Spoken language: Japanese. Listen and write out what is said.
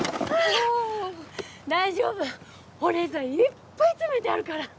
大丈夫、保冷剤いっぱい詰めてあるから。